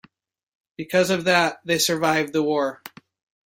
Because of that, they survived the war.